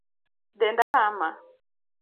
Denda rama